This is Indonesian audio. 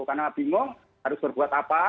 karena bingung harus berbuat apa